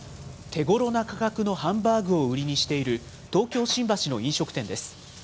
手ごろな価格のハンバーグを売りにしている、東京・新橋の飲食店です。